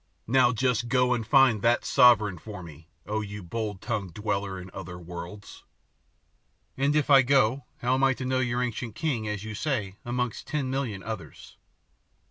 Now just go and find that sovereign for me, oh you bold tongued dweller in other worlds!" "And if I go how am I to know your ancient king, as you say, amongst ten million others?"